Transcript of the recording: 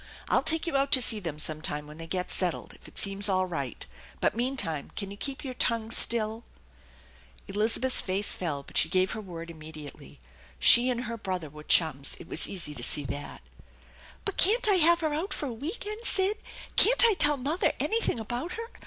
I'll take you out to see them sometime when they get settled if it seems all right, but meantime can you keep your tongue still ?" Elizabeth's face fell, but she gave her word immediately. She and her brother were chums ; it was easy to see that. " But can't I have her out for a week end, Sid ? Can't I tell mother anything about her